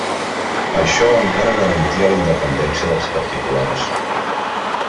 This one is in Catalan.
Això encara garantia la independència dels particulars.